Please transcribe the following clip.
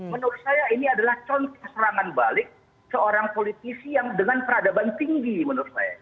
menurut saya ini adalah contoh serangan balik seorang politisi yang dengan peradaban tinggi menurut saya